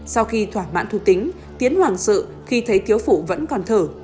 sau khi thoả mãn thu tính tiến hoàng sự khi thấy tiếu phụ vẫn còn thở